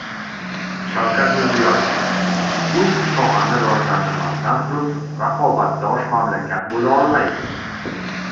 Shavkat Mirziyoyev: «Bu ikki sohani rivojlantirmasdan turib raqobatbardosh mamlakat bo‘la olmaymiz...»